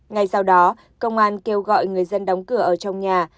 ngay sau đó công an kêu gọi người dân đóng cửa ở trong nhà